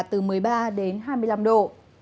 từ một mươi ba đến hai mươi năm độ